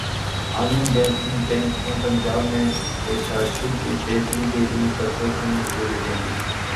عالمی بینک نے پنجاب میں بپاشی کی بہتری کیلئے قرضے کی منظوری دے دی